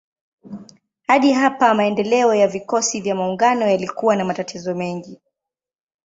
Hadi hapa maendeleo ya vikosi vya maungano yalikuwa na matatizo mengi.